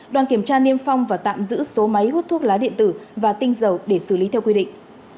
đoàn kiểm tra niêm phong và tạm giữ số máy hút thuốc lá điện tử và tinh dầu để xử lý theo quy định